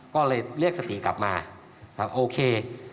ก็เลยเรียกสติกลับมาโอเค